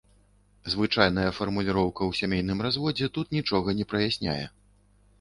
Звычайная фармуліроўка ў сямейным разводзе тут нічога не праясняе.